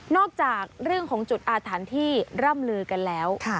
จากเรื่องของจุดอาถรรพ์ที่ร่ำลือกันแล้ว